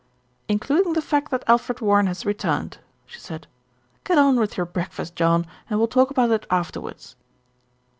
"Including the fact that Alfred Warren has re turned," she said. "Get on with your breakfast, John, and we'll talk about it afterwards."